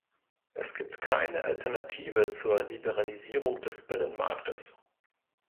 Es gibt keine Alternative zur Liberalisierung des Binnenmarktes.